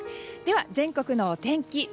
では、全国のお天気